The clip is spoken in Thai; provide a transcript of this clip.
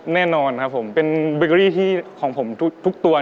แน่นอนครับผมเป็นเบเกอรี่ที่ของผมทุกตัว